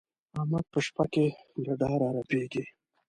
احمد په شپه کې له ډاره رپېږي.